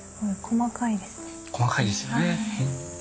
細かいですよね。